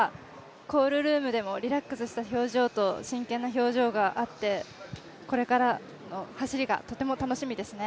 コールルームでもリラックスした表情と、真剣な表情があってこれからの走りがとても楽しみですね。